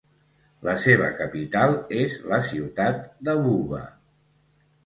La seva capital és la ciutat de Buba.